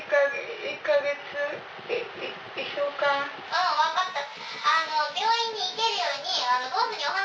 うん分かった。